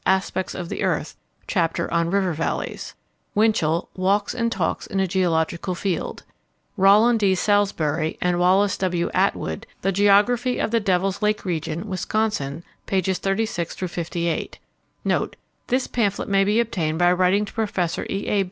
Aspects of the Earth_, chapter on "River Valleys." Winchell, Walks and Talks in a Geological Field. Rollin D. Salisbury and Wallace W. Atwood, The Geography of the Devil's Lake Region, Wisconsin, pp. 36 58. [NOTE. This pamphlet may be obtained by writing to Professor E. A.